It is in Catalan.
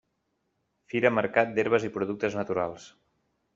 Fira Mercat d'Herbes i Productes Naturals.